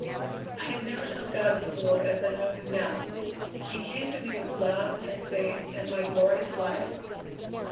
"I had never known God before as I know him now. He came to me with love and faith and my glorious life.